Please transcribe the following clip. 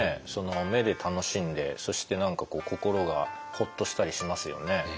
目で楽しんでそして何か心がホッとしたりしますよね。